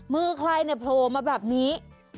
มือใครโทรมาแบบนี้